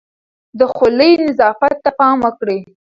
د خولې نظافت ته پام وکړئ.